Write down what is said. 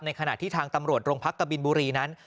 ขณะที่ทางตำรวจโรงพักกะบินบุรีนั้น